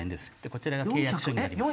こちらが契約書になります。